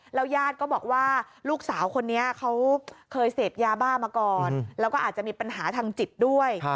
ยาดก็บอกว่าลูกสาวคนนี้เขาเคยเสพยาบ้ามาก่อนแล้วก็อาจจะมีปัญหาทางจิตด้วย